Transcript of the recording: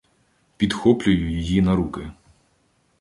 Підхоплюю її на руки.